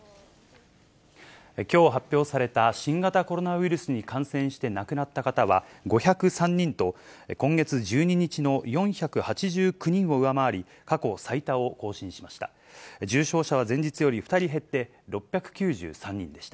きょう発表された、新型コロナウイルスに感染して亡くなった方は５０３人と、今月１２日の４８９人を上回り、過去最多を更新しました。